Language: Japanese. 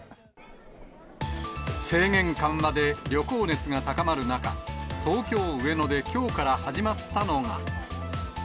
制限緩和で旅行熱が高まる中、東京・上野できょうから始まったのが。